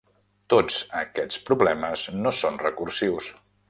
Tots aquests problemes no són recursius.